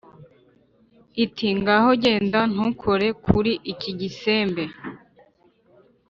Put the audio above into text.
Iti”ngaho genda ntukore kuri iki gisembe